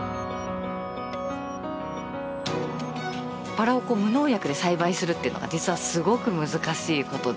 バラを無農薬で栽培するっていうのが実はすごく難しいことで。